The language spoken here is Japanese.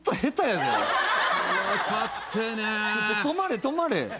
止まれ止まれ！